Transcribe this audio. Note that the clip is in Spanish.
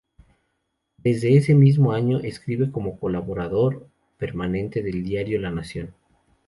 Desde ese mismo año escribe como colaborador permanente del diario "La Nación".